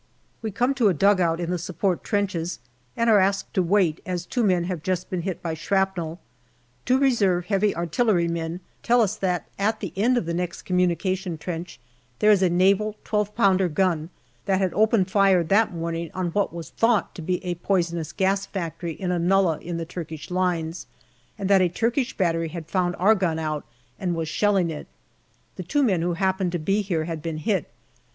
We come to a dugout in the support trenches, and are asked to wait, as two men have just been hit by shrapnel. Two R.H.A. men tell us that at the end of the next commu nication trench there is a Naval 12 pounder gun that had opened fire that morning on what was thought to be a poisonous gas factory in a nullah in the Turkish lines, and that a Turkish battery had found our gun out and was shelling it. The two men who happened to be here had been hit.